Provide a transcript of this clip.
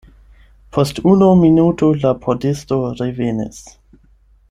Post unu minuto la pordisto revenis.